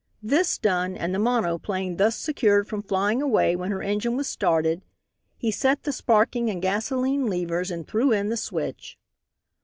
This done, and the monoplane thus secured from flying away when her engine was started, he set the sparking and gasolene levers and threw in the switch.